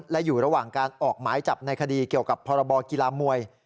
และอยู่ระหว่างการออกหมายจับในคดีเกี่ยวกับพรบกีฬามวย